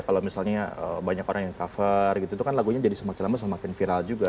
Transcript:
kalau misalnya banyak orang yang cover gitu kan lagunya jadi semakin lama semakin viral juga